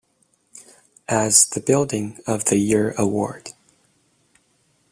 As the Building of the Year Award.